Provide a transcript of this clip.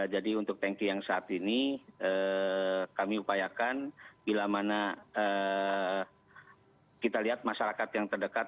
jadi untuk tangki yang saat ini kami upayakan bila mana kita lihat masyarakat yang terdekat